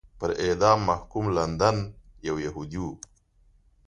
پر اعدام محکوم لندن یو یهودی و.